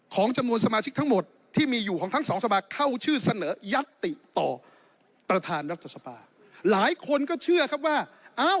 ของจำนวนสมาชิกทั้งหมดที่มีอยู่ของทั้งสองสภาเข้าชื่อเสนอยัตติต่อประธานรัฐสภาหลายคนก็เชื่อครับว่าอ้าว